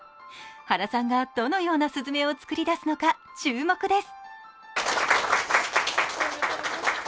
原さんが、どのようなすずめを作り出すのか注目です。